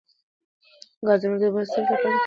د ګازرو اوبه د سترګو لپاره ګټورې دي.